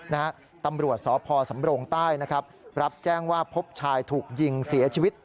นะฮะตำรวจสพสำโรงใต้นะครับรับแจ้งว่าพบชายถูกยิงเสียชีวิต